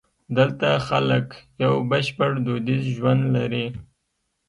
دلته خلک یو بشپړ دودیز ژوند لري.